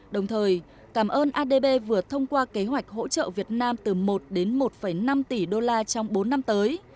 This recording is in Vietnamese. đồng thời cảm ơn adb vừa thông qua kế hoạch hỗ trợ việt nam từ một đến một năm tỷ đô la trong bốn năm tới